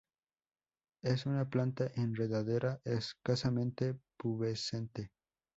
Es una planta enredadera, escasamente pubescente.